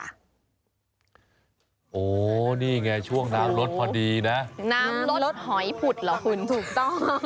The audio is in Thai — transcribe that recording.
โอ้โหนี่ไงช่วงน้ำลดพอดีนะน้ำลดหอยผุดเหรอคุณถูกต้อง